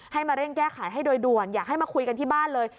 มาเร่งแก้ไขให้โดยด่วนอยากให้มาคุยกันที่บ้านเลย